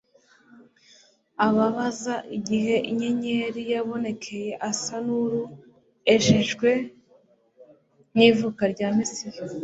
Ababaza igihe inyenyeri yabonekoye, asa n'uruejejwe n'ivuka rya Mesiya.